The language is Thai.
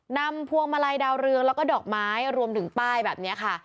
พวงมาลัยดาวเรืองแล้วก็ดอกไม้รวมถึงป้ายแบบนี้ค่ะ